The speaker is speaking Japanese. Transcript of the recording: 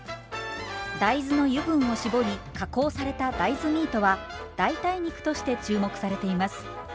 大豆の油分を搾り加工された大豆ミートは代替肉として注目されています。